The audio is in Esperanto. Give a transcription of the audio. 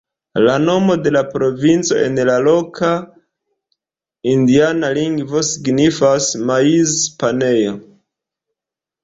La nomo de la provinco en la loka indiana lingvo signifas "maiz-panejo".